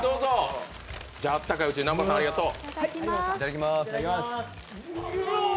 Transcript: あったかいうちに、南波さんありがとう。